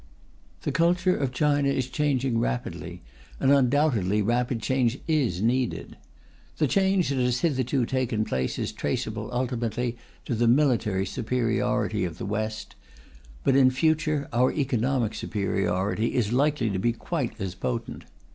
The culture of China is changing rapidly, and undoubtedly rapid change is needed. The change that has hitherto taken place is traceable ultimately to the military superiority of the West; but in future our economic superiority is likely to be quite as potent.